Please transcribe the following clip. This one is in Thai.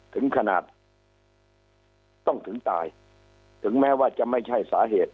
ถึงขนาดต้องถึงตายถึงแม้ว่าจะไม่ใช่สาเหตุ